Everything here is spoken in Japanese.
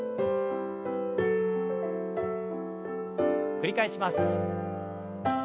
繰り返します。